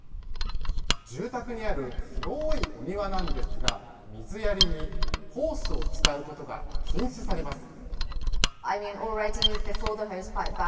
住宅にある広いお庭なんですが水やりにホースを使うことが禁止されます。